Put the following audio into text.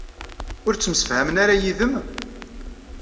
Ur ttemsefhamen ara yid-m?